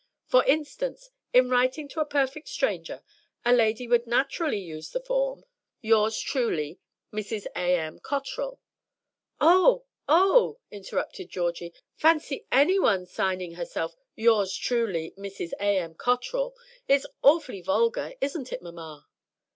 For instance, in writing to a perfect stranger a lady would naturally use the form, Yours truly, Mrs. A. M. Cotterell.'" "Oh! oh!" interrupted Georgie. "Fancy any one signing herself 'Yours truly, Mrs. A. M. Cotterell.' It's awfully vulgar, isn't it mamma?"